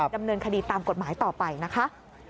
ดำเนินคดีตามกฎหมายต่อไปนะคะ